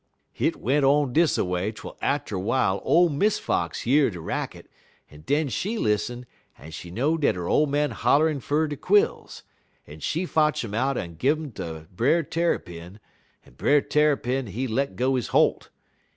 "Hit went on dis a way twel atter w'ile ole Miss Fox year de racket, en den she lissen, en she know dat 'er ole man holler'n' fer de quills, en she fotch um out en gun um ter Brer Tarrypin, en Brer Tarrypin, he let go he holt.